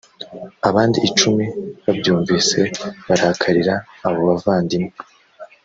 abandi icumi babyumvise barakarira abo bavandimwe